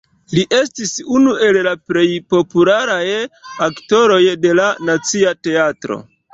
Li estis unu el la plej popularaj aktoroj de la Nacia Teatro.